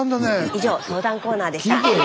以上相談コーナーでした。